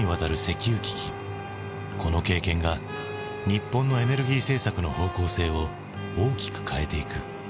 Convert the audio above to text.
この経験が日本のエネルギー政策の方向性を大きく変えていく。